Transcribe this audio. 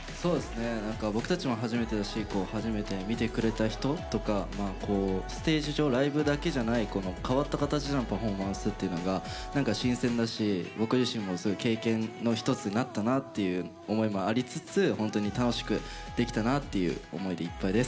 僕たちも初めてだし初めて見てくれた人とかステージ上ライブだけじゃない変わった形でのパフォーマンスっていうのが新鮮だし僕自身もそういう経験の一つになったなっていう思いもありつつ本当に楽しくできたなっていう思いでいっぱいです。